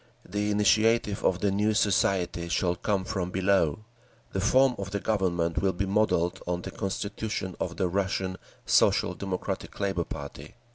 The initiative of the new society shall come from below…. The form of the Government will be modelled on the Constitution of the Russian Social Democratic Labour Party.